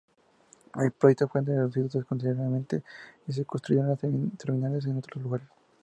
El proyecto fue reducido considerablemente, y se construyeron las terminales en otros lugares.